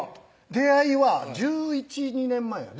出会いは１１１２年前やね